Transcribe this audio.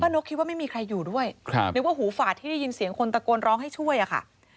นกคิดว่าไม่มีใครอยู่ด้วยนึกว่าหูฝาดที่ได้ยินเสียงคนตะโกนร้องให้ช่วยอะค่ะ